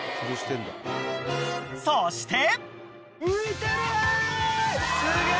［そして］